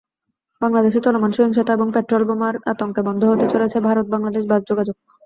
বাংলাদেশে চলমান সহিংসতা এবং পেট্রলবোমার আতঙ্কে বন্ধ হতে চলেছে ভারত-বাংলাদেশ বাস যোগাযোগ।